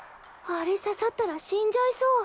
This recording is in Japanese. あれ刺さったら死んじゃいそう。